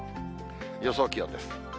予想気温です。